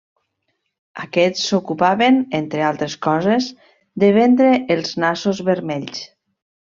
Aquests s'ocupaven, entre altres coses, de vendre els nassos vermells.